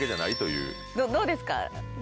どうですか？